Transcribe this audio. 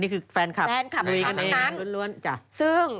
นี่คือแฟนคับตัวเอง